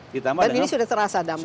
dan ini sudah terasa dampaknya